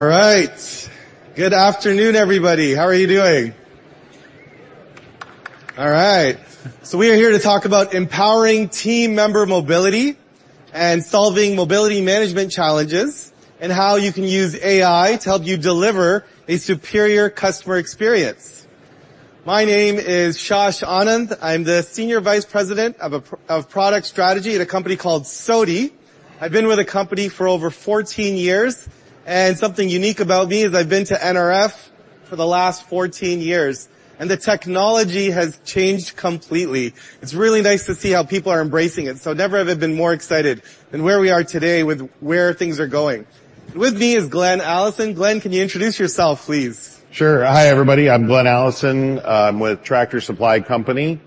All right. Good afternoon, everybody. How are you doing? All right. So we are here to talk about empowering team member mobility and solving mobility management challenges, and how you can use AI to help you deliver a superior customer experience. My name is Shash Anand. I'm the Senior Vice President of Product Strategy at a company called SOTI. I've been with the company for over 14 years, and something unique about me is I've been to NRF for the last 14 years, and the technology has changed completely. It's really nice to see how people are embracing it, so never have I been more excited than where we are today with where things are going. With me is Glenn Allison. Glenn, can you introduce yourself, please? Sure. Hi, everybody, I'm Glenn Allison. I'm with Tractor Supply Company.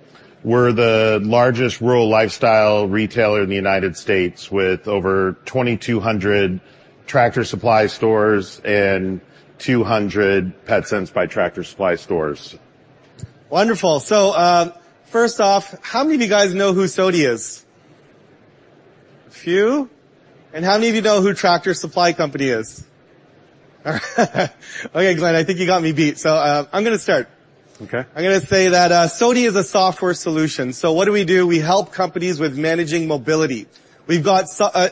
We're the largest rural lifestyle retailer in the United States, with over 2,200 Tractor Supply stores and 200 Petsense by Tractor Supply stores. Wonderful! So, first off, how many of you guys know who SOTI is? A few. And how many of you know who Tractor Supply Company is? Okay, Glenn, I think you got me beat, so, I'm gonna start. Okay. I'm gonna say that, SOTI is a software solution. So what do we do? We help companies with managing mobility. We've got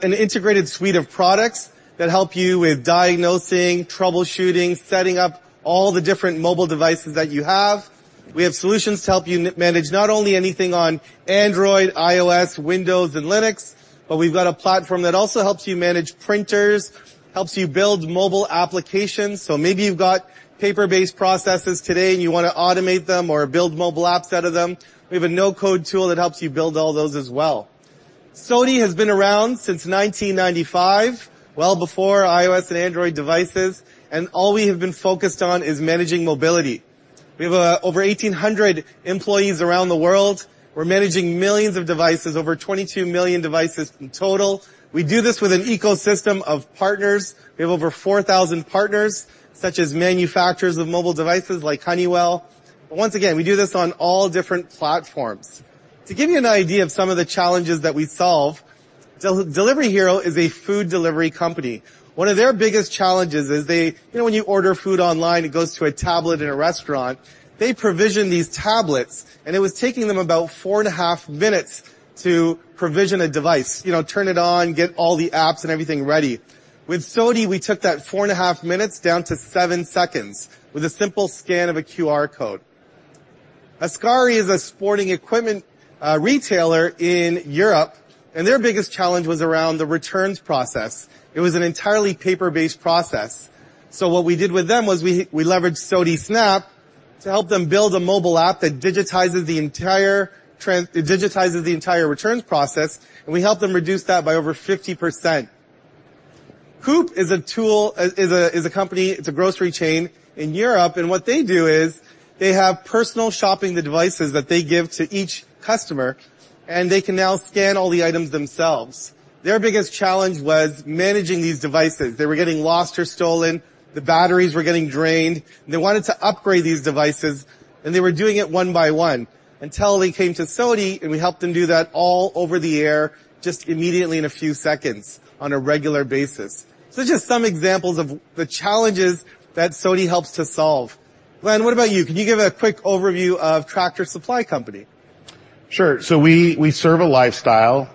an integrated suite of products that help you with diagnosing, troubleshooting, setting up all the different mobile devices that you have. We have solutions to help you manage not only anything on Android, iOS, Windows, and Linux, but we've got a platform that also helps you manage printers, helps you build mobile applications. So maybe you've got paper-based processes today, and you wanna automate them or build mobile apps out of them. We have a no-code tool that helps you build all those as well. SOTI has been around since 1995, well before iOS and Android devices, and all we have been focused on is managing mobility. We have over 1,800 employees around the world. We're managing millions of devices, over 22 million devices in total. We do this with an ecosystem of partners. We have over 4,000 partners, such as manufacturers of mobile devices like Honeywell. But once again, we do this on all different platforms. To give you an idea of some of the challenges that we solve, Delivery Hero is a food delivery company. One of their biggest challenges is they... You know, when you order food online, it goes to a tablet in a restaurant. They provision these tablets, and it was taking them about 4.5 minutes to provision a device. You know, turn it on, get all the apps and everything ready. With SOTI, we took that 4.5 minutes down to seven seconds with a simple scan of a QR code. Askari is a sporting equipment retailer in Europe, and their biggest challenge was around the returns process. It was an entirely paper-based process. So what we did with them was we leveraged SOTI Snap to help them build a mobile app that digitizes the entire returns process, and we helped them reduce that by over 50%. Coop is a tool, a company, it's a grocery chain in Europe, and what they do is they have personal shopping devices that they give to each customer, and they can now scan all the items themselves. Their biggest challenge was managing these devices. They were getting lost or stolen, the batteries were getting drained, and they wanted to upgrade these devices, and they were doing it one by one until they came to SOTI, and we helped them do that all over the air, just immediately in a few seconds on a regular basis. So just some examples of the challenges that SOTI helps to solve. Glenn, what about you? Can you give a quick overview of Tractor Supply Company? Sure. So we, we serve a lifestyle,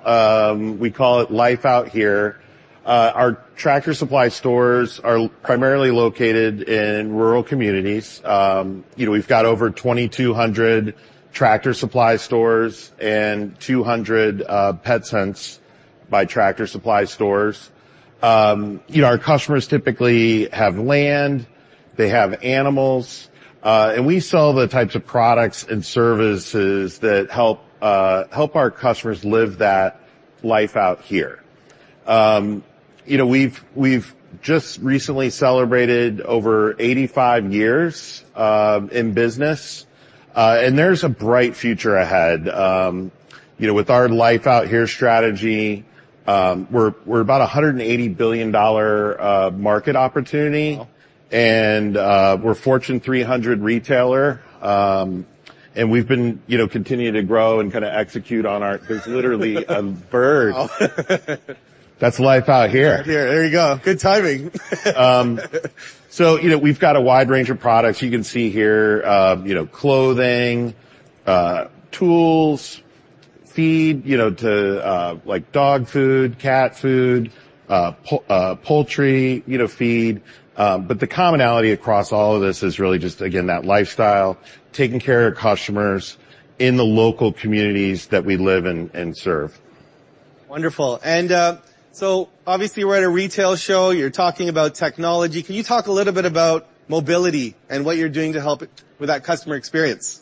we call it Life Out Here. Our Tractor Supply stores are primarily located in rural communities. You know, we've got over 2,200 Tractor Supply stores and 200 Petsense by Tractor Supply stores. You know, our customers typically have land, they have animals, and we sell the types of products and services that help, help our customers live that Life Out Here. You know, we've, we've just recently celebrated over 85 years in business, and there's a bright future ahead. You know, with our Life Out Here strategy, we're, we're about a $180 billion market opportunity- Wow! -and we're Fortune 300 retailer. And we've been, you know, continuing to grow and kinda execute on our- There's literally a bird. That's Life Out Here. Out Here. There you go. Good timing. So, you know, we've got a wide range of products. You can see here, you know, clothing, tools, feed, you know, to, like dog food, cat food, poultry, you know, feed. But the commonality across all of this is really just, again, that lifestyle, taking care of our customers in the local communities that we live and, and serve. Wonderful. Obviously, we're at a retail show, you're talking about technology. Can you talk a little bit about mobility and what you're doing to help it with that customer experience?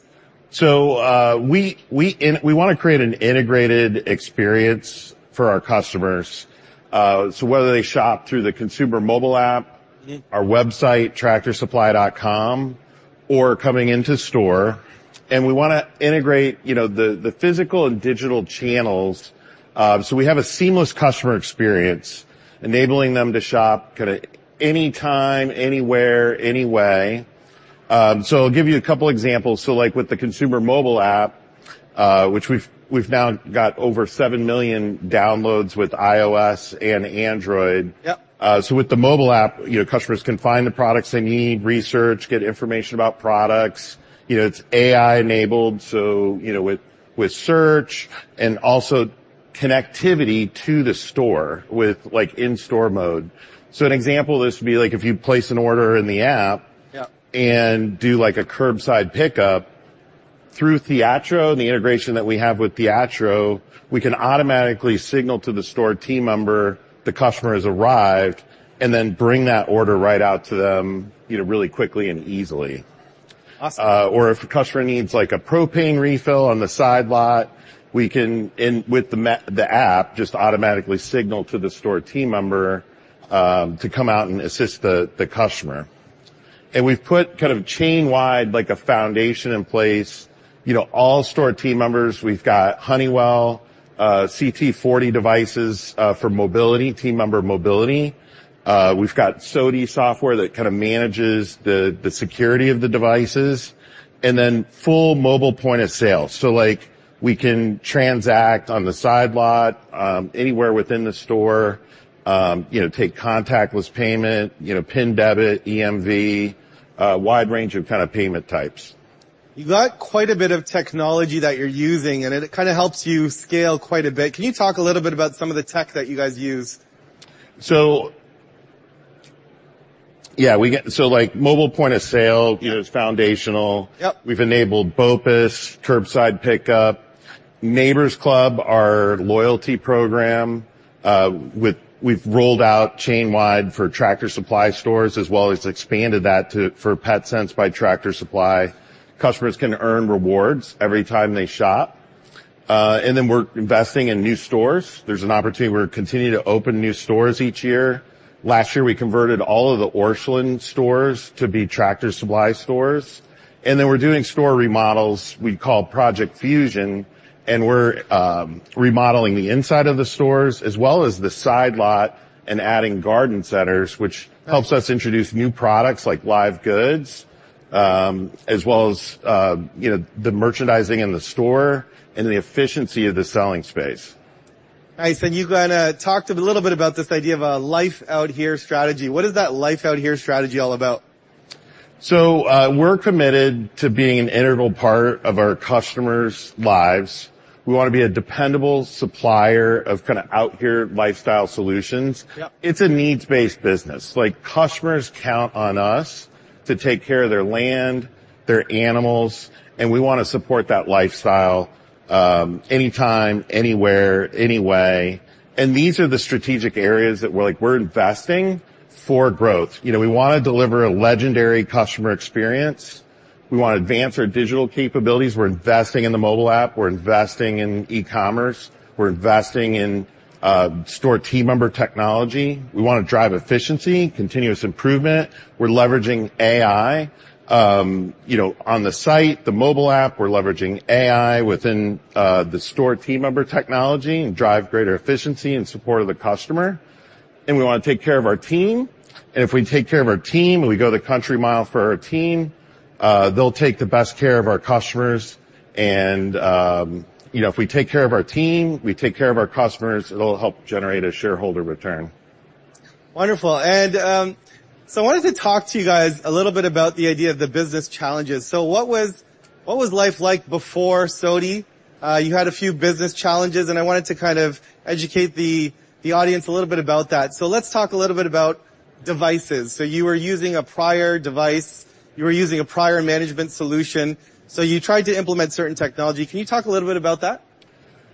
So, we wanna create an integrated experience for our customers, so whether they shop through the consumer mobile app- Mm-hmm... our website, tractorsupply.com, or coming into store, and we wanna integrate, you know, the physical and digital channels, so we have a seamless customer experience, enabling them to shop kinda anytime, anywhere, any way. So, I'll give you a couple examples. So, like with the consumer mobile app, which we've now got over 7 million downloads with iOS and Android. Yep. With the mobile app, you know, customers can find the products they need, research, get information about products. You know, it's AI-enabled, so, you know, with, with search and also connectivity to the store with, like, in-store mode. So an example of this would be like if you place an order in the app- Yep. do, like, a curbside pickup, through Theatro, the integration that we have with Theatro, we can automatically signal to the store team member the customer has arrived, and then bring that order right out to them, you know, really quickly and easily. Awesome. Or if a customer needs, like, a propane refill on the side lot, we can with the app just automatically signal to the store team member to come out and assist the customer. We've put kind of chain-wide, like, a foundation in place. You know, all store team members, we've got Honeywell CT40 devices for mobility, team member mobility. We've got SOTI software that kind of manages the security of the devices, and then full mobile point-of-sale. So, like, we can transact on the side lot anywhere within the store, you know, take contactless payment, you know, PIN debit, EMV, wide range of kind of payment types. You've got quite a bit of technology that you're using, and it kind of helps you scale quite a bit. Can you talk a little bit about some of the tech that you guys use? So, like, mobile point of sale, you know, is foundational. Yep. We've enabled BOPUS, curbside pickup. Neighbor's Club, our loyalty program, with... We've rolled out chain-wide for Tractor Supply stores, as well as expanded that to-- for Petsense by Tractor Supply. Customers can earn rewards every time they shop. And then we're investing in new stores. There's an opportunity where we continue to open new stores each year. Last year, we converted all of the Orscheln stores to be Tractor Supply stores, and then we're doing store remodels we call Project Fusion, and we're remodeling the inside of the stores, as well as the side lot, and adding garden centers, which helps us introduce new products like live goods, as well as, you know, the merchandising in the store and the efficiency of the selling space. Nice. And you kinda talked a little bit about this idea of a life out here strategy. What is that life out here strategy all about? We're committed to being an integral part of our customers' lives. We want to be a dependable supplier of kind of out-here lifestyle solutions. Yep. It's a needs-based business. Like, customers count on us to take care of their land, their animals, and we want to support that lifestyle, anytime, anywhere, any way. And these are the strategic areas that we're like, we're investing for growth. You know, we want to deliver a legendary customer experience. We want to advance our digital capabilities. We're investing in the mobile app. We're investing in e-commerce. We're investing in store team member technology. We want to drive efficiency, continuous improvement. We're leveraging AI, you know, on the site, the mobile app. We're leveraging AI within the store team member technology and drive greater efficiency in support of the customer, and we want to take care of our team. And if we take care of our team, and we go the extra mile for our team, they'll take the best care of our customers. You know, if we take care of our team, we take care of our customers, it'll help generate a shareholder return. Wonderful. So I wanted to talk to you guys a little bit about the idea of the business challenges. So what was life like before SOTI? You had a few business challenges, and I wanted to kind of educate the audience a little bit about that. So let's talk a little bit about devices. So you were using a prior device. You were using a prior management solution. So you tried to implement certain technology. Can you talk a little bit about that?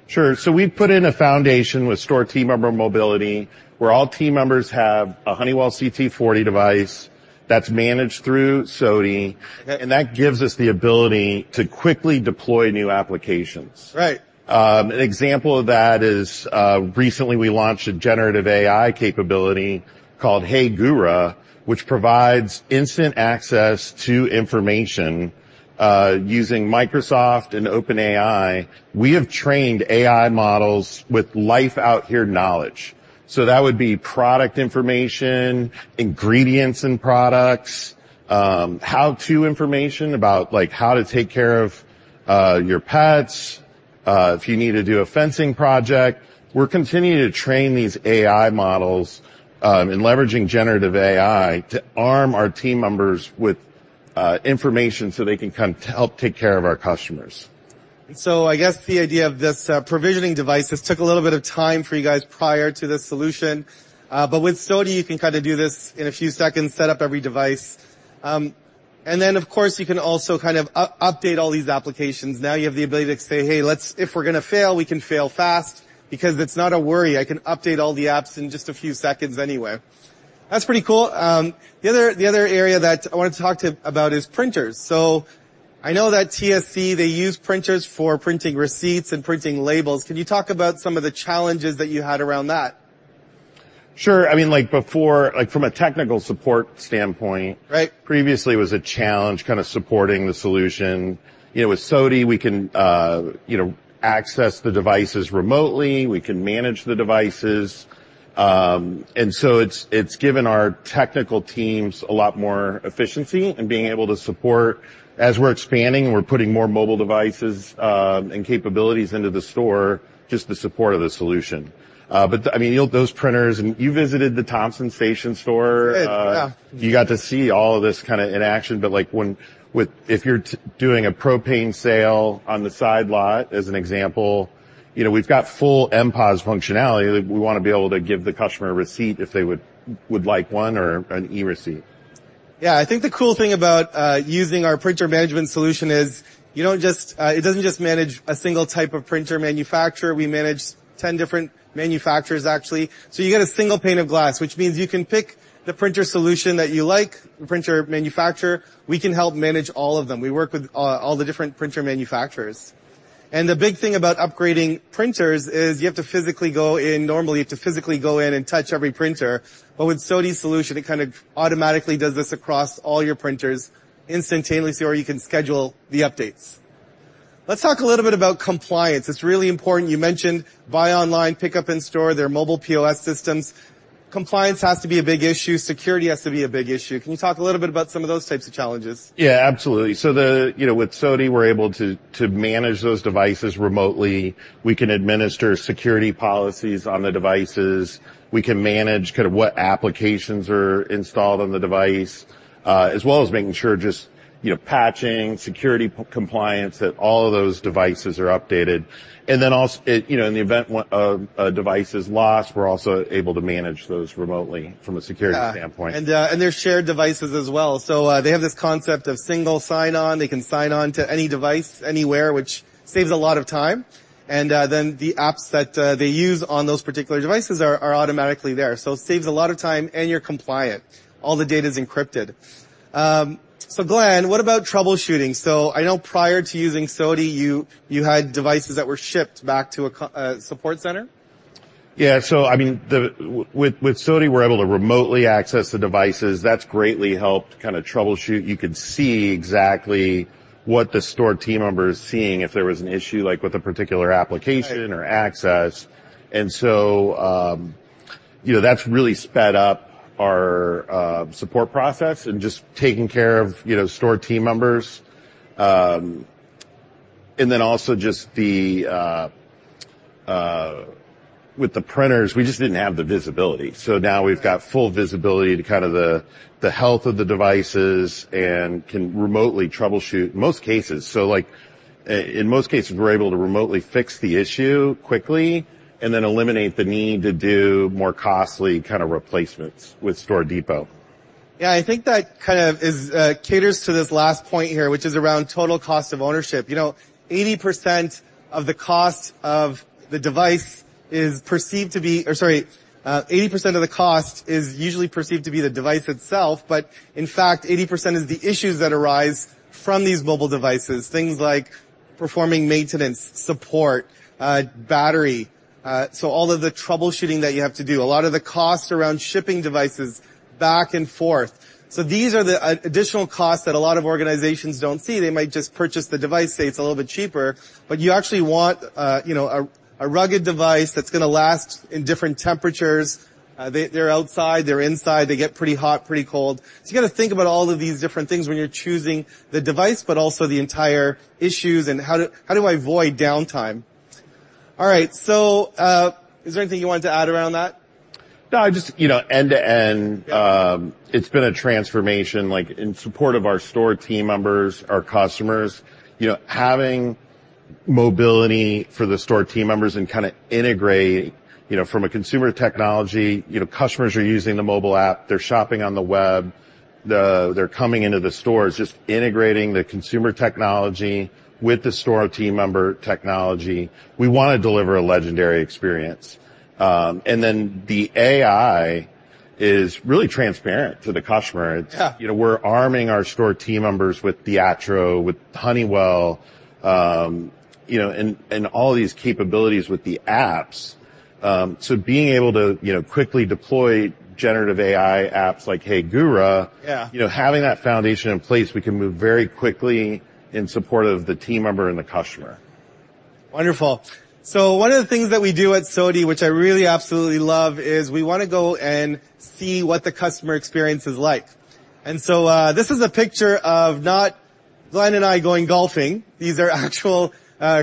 Sure. So we've put in a foundation with store team member mobility, where all team members have a Honeywell CT40 device that's managed through SOTI, and that gives us the ability to quickly deploy new applications. Right. An example of that is, recently, we launched a generative AI capability called Hey Gura, which provides instant access to information, using Microsoft and OpenAI. We have trained AI models with Life Out Here knowledge. So that would be product information, ingredients in products, how-to information about, like, how to take care of your pets, if you need to do a fencing project. We're continuing to train these AI models, in leveraging generative AI to arm our team members with, information so they can come to help take care of our customers. So I guess the idea of this, provisioning devices took a little bit of time for you guys prior to this solution, but with SOTI, you can kind of do this in a few seconds, set up every device. And then, of course, you can also kind of update all these applications. Now, you have the ability to say, "Hey, let's-- if we're gonna fail, we can fail fast, because it's not a worry. I can update all the apps in just a few seconds anyway." That's pretty cool. The other area that I wanted to talk about is printers. So I know that TSC, they use printers for printing receipts and printing labels. Can you talk about some of the challenges that you had around that?... Sure. I mean, like, before, like, from a technical support standpoint- Right. Previously, it was a challenge kind of supporting the solution. You know, with SOTI, we can, you know, access the devices remotely, we can manage the devices. And so it's, it's given our technical teams a lot more efficiency in being able to support as we're expanding and we're putting more mobile devices, and capabilities into the store, just the support of the solution. But, I mean, you know, those printers, and you visited the Thompson's Station store. I did, yeah. You got to see all of this kind of in action, but, like, when with if you're doing a propane sale on the side lot, as an example, you know, we've got full MPOS functionality. We wanna be able to give the customer a receipt if they would like one or an e-receipt. Yeah, I think the cool thing about using our printer management solution is you don't just, it doesn't just manage a single type of printer manufacturer. We manage 10 different manufacturers, actually. So you get a single pane of glass, which means you can pick the printer solution that you like, the printer manufacturer, we can help manage all of them. We work with all the different printer manufacturers. And the big thing about upgrading printers is you have to physically go in, normally, you have to physically go in and touch every printer, but with SOTI's solution, it kind of automatically does this across all your printers instantaneously, or you can schedule the updates. Let's talk a little bit about compliance. It's really important. You mentioned buy online, pickup in store, their mobile POS systems. Compliance has to be a big issue, security has to be a big issue. Can you talk a little bit about some of those types of challenges? Yeah, absolutely. So... You know, with SOTI, we're able to manage those devices remotely. We can administer security policies on the devices, we can manage kind of what applications are installed on the device, as well as making sure just, you know, patching, security compliance, that all of those devices are updated. And then also, it, you know, in the event one a device is lost, we're also able to manage those remotely from a security standpoint. Yeah, and, and they're shared devices as well, so, they have this concept of single sign on. They can sign on to any device, anywhere, which saves a lot of time. And, then the apps that, they use on those particular devices are, are automatically there. So it saves a lot of time, and you're compliant. All the data is encrypted. So Glenn, what about troubleshooting? So I know prior to using SOTI, you, you had devices that were shipped back to a support center. Yeah, so I mean, with SOTI, we're able to remotely access the devices. That's greatly helped kind of troubleshoot. You could see exactly what the store team member is seeing, if there was an issue, like with a particular application- Right... or access. And so, you know, that's really sped up our support process and just taking care of, you know, store team members. And then also just the... With the printers, we just didn't have the visibility. So now we've got full visibility to kind of the health of the devices and can remotely troubleshoot in most cases. So, like, in most cases, we're able to remotely fix the issue quickly and then eliminate the need to do more costly kind of replacements with Store Depot. Yeah, I think that kind of is, caters to this last point here, which is around total cost of ownership. You know, 80% of the cost of the device is perceived to be—or sorry, 80% of the cost is usually perceived to be the device itself, but in fact, 80% is the issues that arise from these mobile devices, things like performing maintenance, support, battery, so all of the troubleshooting that you have to do, a lot of the cost around shipping devices back and forth. So these are the additional costs that a lot of organizations don't see. They might just purchase the device, say, it's a little bit cheaper, but you actually want, you know, a, a rugged device that's gonna last in different temperatures. They're outside, they're inside, they get pretty hot, pretty cold. You got to think about all of these different things when you're choosing the device, but also the entire issues and how do I avoid downtime? All right, is there anything you wanted to add around that? No, I just, you know, end-to-end- Yeah It's been a transformation, like in support of our store team members, our customers. You know, having mobility for the store team members and kind of integrate, you know, from a consumer technology, you know, customers are using the mobile app, they're shopping on the web, they're coming into the stores, just integrating the consumer technology with the store team member technology. We wanna deliver a legendary experience. And then the AI is really transparent to the customer. Yeah. You know, we're arming our store team members with the Theatro, with Honeywell, you know, and, and all these capabilities with the apps. So being able to, you know, quickly deploy generative AI apps like Hey GURA- Yeah... you know, having that foundation in place, we can move very quickly in support of the team member and the customer. Wonderful. So one of the things that we do at SOTI, which I really absolutely love, is we wanna go and see what the customer experience is like. And so, this is a picture of not Glenn and I going golfing. These are actual,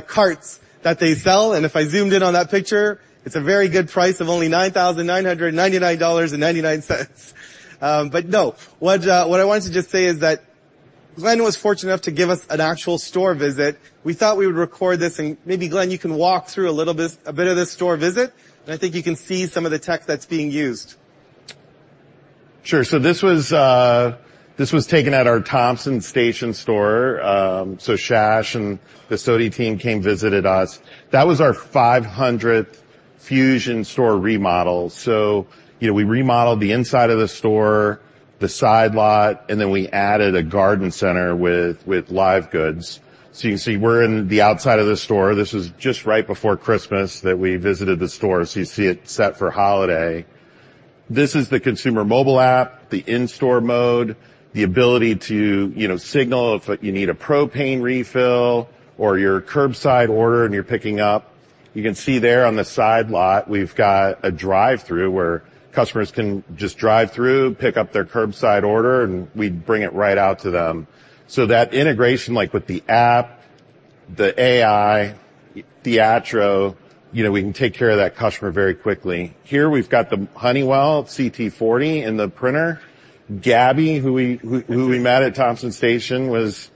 carts that they sell, and if I zoomed in on that picture, it's a very good price of only $9,999.99. But no, what, what I wanted to just say is that Glenn was fortunate enough to give us an actual store visit. We thought we would record this, and maybe, Glenn, you can walk through a little bit, a bit of this store visit, and I think you can see some of the tech that's being used. Sure. So this was taken at our Thompson Station store. So Shash and the SOTI team came, visited us. That was our 500th Fusion store remodel. So, you know, we remodeled the inside of the store, the side lot, and then we added a garden center with live goods. So you can see we're in the outside of the store. This is just right before Christmas that we visited the store, so you see it set for holiday. This is the consumer mobile app, the in-store mode, the ability to, you know, signal if you need a propane refill or your curbside order, and you're picking up. You can see there on the side lot, we've got a drive-through where customers can just drive through, pick up their curbside order, and we bring it right out to them. So that integration, like with the app, the AI, Theatro, you know, we can take care of that customer very quickly. Here, we've got the Honeywell CT40 in the printer. Gabby, who we met at Thompson Station, was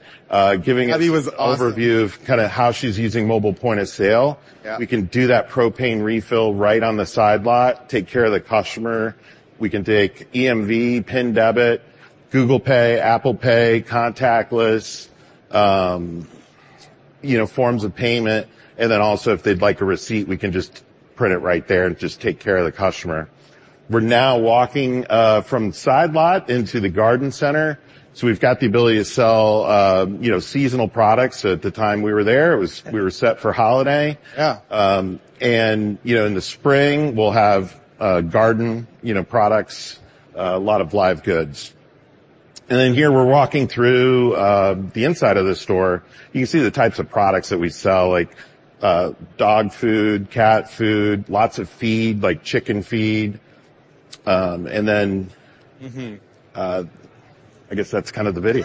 giving us- Gabby was awesome. overview of kinda how she's using mobile point-of-sale. Yeah. We can do that propane refill right on the side lot, take care of the customer. We can take EMV, PIN Debit, Google Pay, Apple Pay, contactless, you know, forms of payment, and then also, if they'd like a receipt, we can just print it right there and just take care of the customer. We're now walking from the side lot into the garden center. So we've got the ability to sell, you know, seasonal products. So at the time we were there, it was we were set for holiday. Yeah. And, you know, in the spring, we'll have garden, you know, products, a lot of live goods. And then here, we're walking through the inside of the store. You can see the types of products that we sell, like dog food, cat food, lots of feed, like chicken feed, and then- Mm-hmm. I guess that's kind of the video.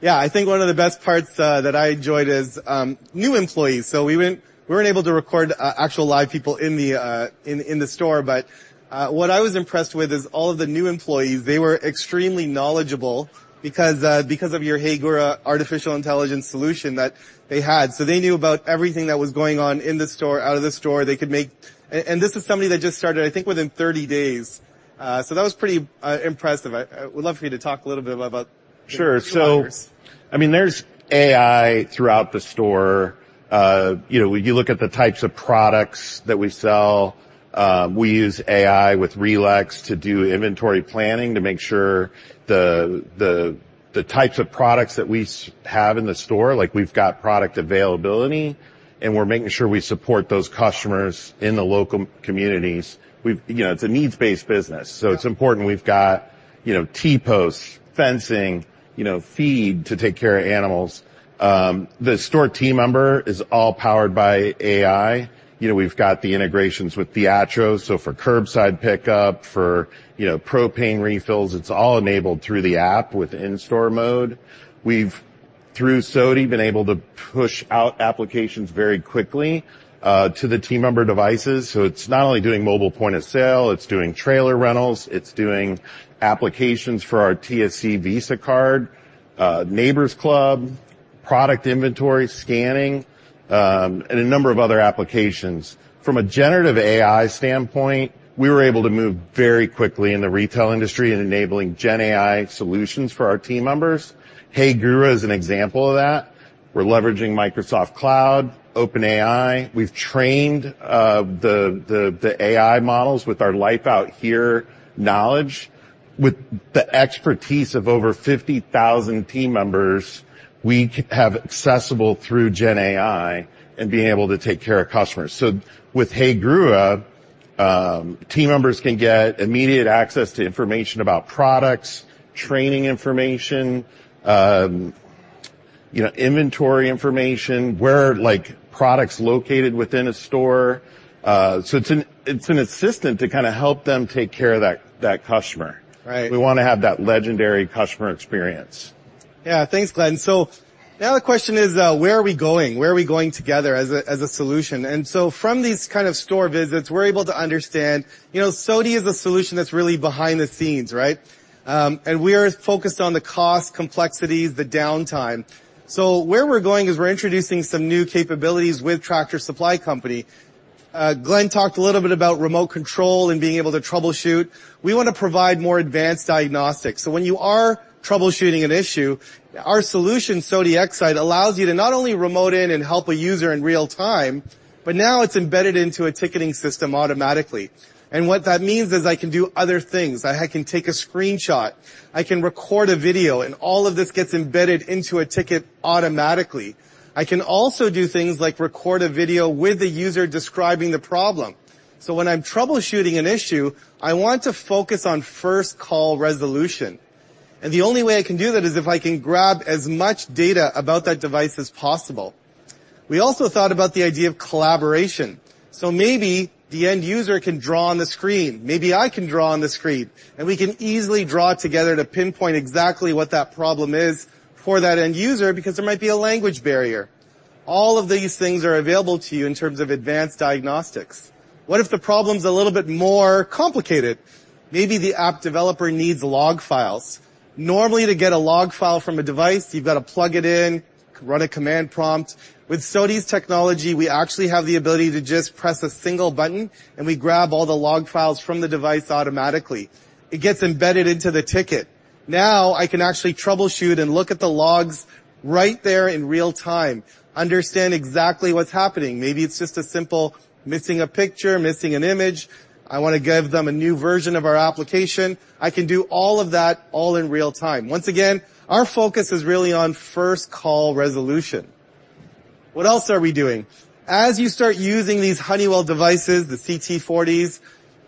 Yeah, I think one of the best parts that I enjoyed is new employees. So we weren't able to record actual live people in the store, but what I was impressed with is all of the new employees; they were extremely knowledgeable because of your Hey GURA artificial intelligence solution that they had. So they knew about everything that was going on in the store, out of the store. They could make... And this is somebody that just started, I think, within 30 days. So that was pretty impressive. I would love for you to talk a little bit about- Sure. -HeyGura. I mean, there's AI throughout the store. You know, when you look at the types of products that we sell, we use AI with RELEX to do inventory planning to make sure the types of products that we have in the store, like, we've got product availability, and we're making sure we support those customers in the local communities. We've, you know, it's a needs-based business, so- Yeah... it's important. We've got, you know, T posts, fencing, you know, feed to take care of animals. The store team member is all powered by AI. You know, we've got the integrations with Theatro, so for curbside pickup, for, you know, propane refills, it's all enabled through the app with in-store mode. We've, through SOTI, been able to push out applications very quickly to the team member devices. So it's not only doing mobile point-of-sale, it's doing trailer rentals, it's doing applications for our TSC Visa Card, neighbors club, product inventory, scanning, and a number of other applications. From a generative AI standpoint, we were able to move very quickly in the retail industry in enabling GenAI solutions for our team members. Hey GURA is an example of that. We're leveraging Microsoft Cloud, OpenAI. We've trained the AI models with our Life Out Here knowledge, with the expertise of over 50,000 team members we have accessible through GenAI and being able to take care of customers. So with Hey GURA, team members can get immediate access to information about products, training information, you know, inventory information, where are, like, products located within a store. So it's an assistant to kinda help them take care of that customer. Right. We wanna have that legendary customer experience. Yeah. Thanks, Glenn. So now the question is, where are we going? Where are we going together as a, as a solution? And so from these kind of store visits, we're able to understand, you know, SOTI is a solution that's really behind the scenes, right? And we are focused on the cost, complexity, the downtime. So where we're going is we're introducing some new capabilities with Tractor Supply Company. Glenn talked a little bit about remote control and being able to troubleshoot. We wanna provide more advanced diagnostics. So when you are troubleshooting an issue, our solution, SOTI XSight, allows you to not only remote in and help a user in real time, but now it's embedded into a ticketing system automatically. And what that means is I can do other things. I can take a screenshot, I can record a video, and all of this gets embedded into a ticket automatically. I can also do things like record a video with the user describing the problem. So when I'm troubleshooting an issue, I want to focus on first-call resolution, and the only way I can do that is if I can grab as much data about that device as possible. We also thought about the idea of collaboration. So maybe the end user can draw on the screen, maybe I can draw on the screen, and we can easily draw together to pinpoint exactly what that problem is for that end user, because there might be a language barrier. All of these things are available to you in terms of advanced diagnostics. What if the problem's a little bit more complicated? Maybe the app developer needs log files. Normally, to get a log file from a device, you've got to plug it in, run a command prompt. With SOTI's technology, we actually have the ability to just press a single button, and we grab all the log files from the device automatically. It gets embedded into the ticket. Now I can actually troubleshoot and look at the logs right there in real time, understand exactly what's happening. Maybe it's just a simple missing a picture, missing an image. I wanna give them a new version of our application. I can do all of that, all in real time. Once again, our focus is really on first call resolution. What else are we doing? As you start using these Honeywell devices, the CT40s,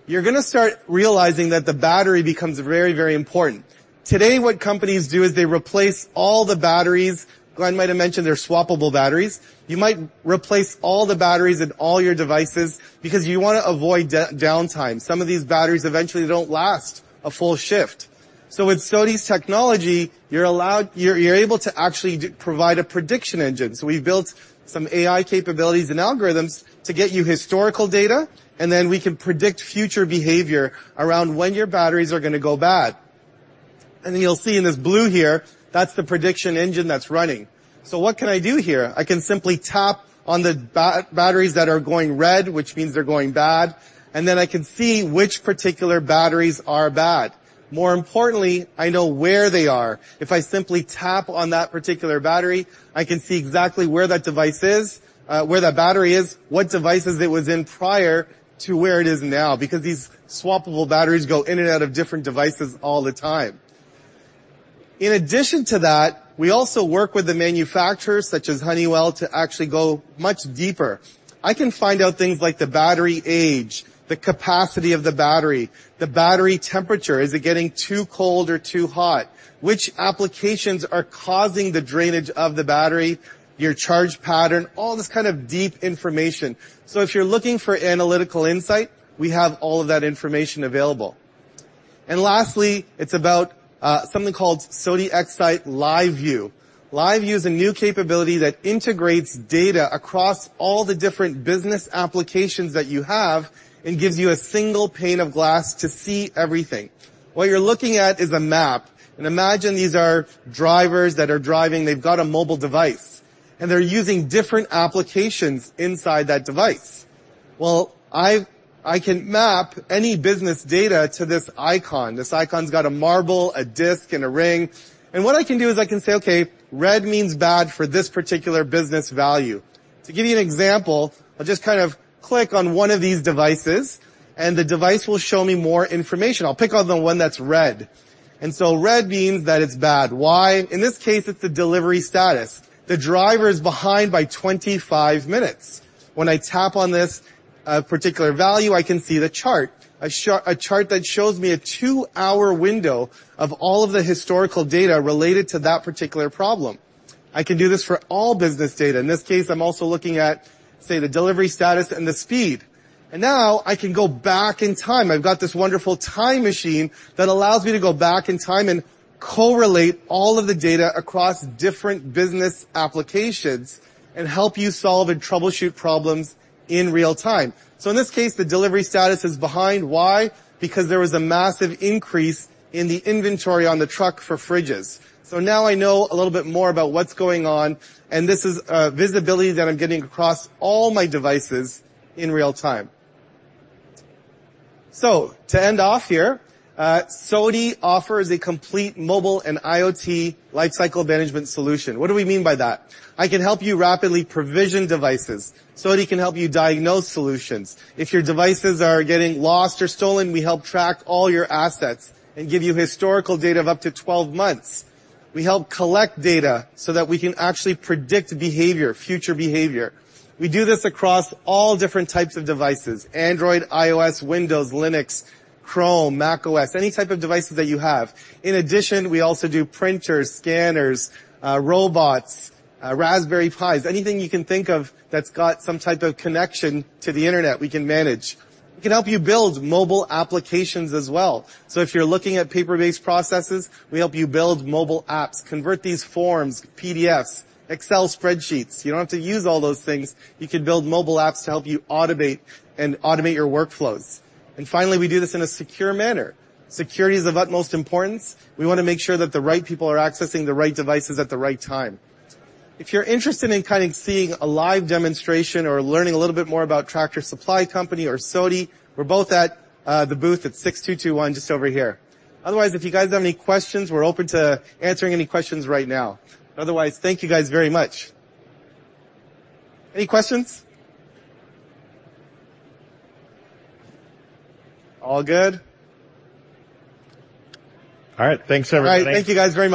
you're gonna start realizing that the battery becomes very, very important. Today, what companies do is they replace all the batteries. Glenn might have mentioned they're swappable batteries. You might replace all the batteries in all your devices because you wanna avoid downtime. Some of these batteries eventually don't last a full shift. So with SOTI's technology, you're able to actually provide a prediction engine. So we've built some AI capabilities and algorithms to get you historical data, and then we can predict future behavior around when your batteries are gonna go bad. And you'll see in this blue here, that's the prediction engine that's running. So what can I do here? I can simply tap on the batteries that are going red, which means they're going bad, and then I can see which particular batteries are bad. More importantly, I know where they are. If I simply tap on that particular battery, I can see exactly where that device is, where that battery is, what devices it was in prior to where it is now, because these swappable batteries go in and out of different devices all the time. In addition to that, we also work with the manufacturers, such as Honeywell, to actually go much deeper. I can find out things like the battery age, the capacity of the battery, the battery temperature. Is it getting too cold or too hot? Which applications are causing the drainage of the battery, your charge pattern, all this kind of deep information. So if you're looking for analytical insight, we have all of that information available. And lastly, it's about something called SOTI XSight Live View. Live View is a new capability that integrates data across all the different business applications that you have and gives you a single pane of glass to see everything. What you're looking at is a map, and imagine these are drivers that are driving. They've got a mobile device, and they're using different applications inside that device. Well, I can map any business data to this icon. This icon's got a marble, a disk, and a ring, and what I can do is I can say, "Okay, red means bad for this particular business value." To give you an example, I'll just kind of click on one of these devices, and the device will show me more information. I'll pick on the one that's red, and so red means that it's bad. Why? In this case, it's the delivery status. The driver is behind by 25 minutes. When I tap on this particular value, I can see the chart, a chart that shows me a two-hour window of all of the historical data related to that particular problem. I can do this for all business data. In this case, I'm also looking at, say, the delivery status and the speed, and now I can go back in time. I've got this wonderful time machine that allows me to go back in time and correlate all of the data across different business applications and help you solve and troubleshoot problems in real time. So in this case, the delivery status is behind. Why? Because there was a massive increase in the inventory on the truck for fridges. So now I know a little bit more about what's going on, and this is visibility that I'm getting across all my devices in real time. So to end off here, SOTI offers a complete mobile and IoT lifecycle management solution. What do we mean by that? I can help you rapidly provision devices. SOTI can help you diagnose solutions. If your devices are getting lost or stolen, we help track all your assets and give you historical data of up to 12 months. We help collect data so that we can actually predict behavior, future behavior. We do this across all different types of devices: Android, iOS, Windows, Linux, Chrome, macOS, any type of devices that you have. In addition, we also do printers, scanners, robots, Raspberry Pis. Anything you can think of that's got some type of connection to the internet, we can manage. We can help you build mobile applications as well. So if you're looking at paper-based processes, we help you build mobile apps, convert these forms, PDFs, Excel spreadsheets. You don't have to use all those things. You can build mobile apps to help you automate, and automate your workflows. And finally, we do this in a secure manner. Security is of utmost importance. We wanna make sure that the right people are accessing the right devices at the right time. If you're interested in kind of seeing a live demonstration or learning a little bit more about Tractor Supply Company or SOTI, we're both at the booth at 6221, just over here. Otherwise, if you guys have any questions, we're open to answering any questions right now. Otherwise, thank you guys very much. Any questions? All good? All right, thanks, everyone. All right, thank you, guys, very much.